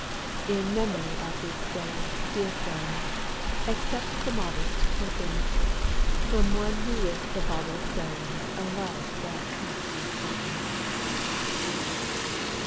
In memory of this Day, dear friends, Accept the modest token From one who with the bauble sends A love that can't be spoken.